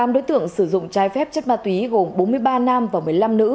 tám đối tượng sử dụng trái phép chất ma túy gồm bốn mươi ba nam và một mươi năm nữ